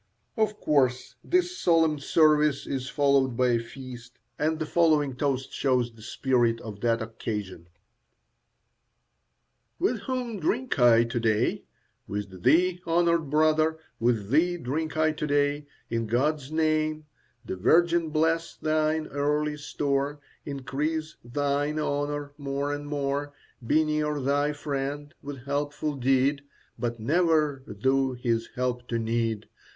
Of course this solemn service is followed by a feast, and the following toast shows the spirit of that occasion: With whom drink I to day? With thee, honoured brother, with thee drink I to day In God's name. The Virgin bless thine earthly store; Increase thine honour more and more; Be near thy friend with helpful deed, But never thou his help to need.